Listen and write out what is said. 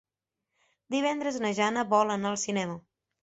Divendres na Jana vol anar al cinema.